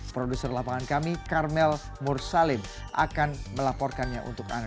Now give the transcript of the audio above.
produser lapangan kami karmel mursalim akan melaporkannya untuk anda